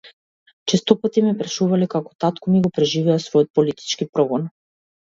Честопати ме прашувале како татко ми го преживеа својот политички прогон?